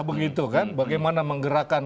begitu kan bagaimana menggerakkan